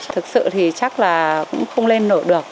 thực sự thì chắc là cũng không lên nổ được